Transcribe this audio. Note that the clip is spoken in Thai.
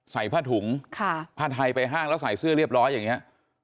ใส่ผ้าถุงผ้าไทยไปห้างแล้วใส่เสื้อเรียบร้อยอย่างนี้